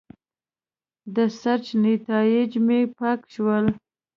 د سرچ نیتایج مې پاک شول.